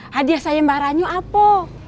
hadiah sayembaranya apa